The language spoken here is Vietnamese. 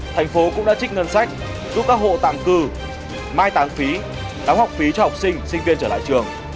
thành phố cũng đã trích ngân sách giúp các hộ tạm cư mai táng phí đóng học phí cho học sinh sinh viên trở lại trường